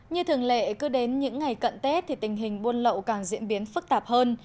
như thường lệ cứ đến những ngày cận tết thì tình hình buôn lậu càng diễn biến phức tạp hơn